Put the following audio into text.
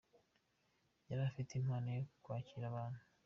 Yari afite impano yo kwakira abantu.